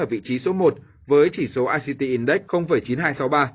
ở vị trí số một với chỉ số ict index chín nghìn hai trăm sáu mươi ba